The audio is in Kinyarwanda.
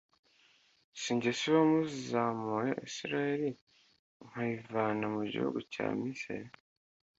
si jyewe se wazamuye israheli nkayivana mu gihugu cya misiri,